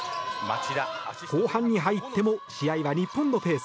後半に入っても試合は日本のペース。